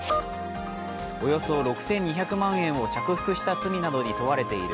およそ６２００万円を着服した罪などに問われている